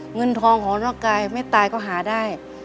เงินทองของนอกกายไม่ตายก็หาได้